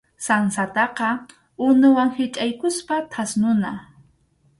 Sansataqa unuwan hichʼaykuspa thasnuna.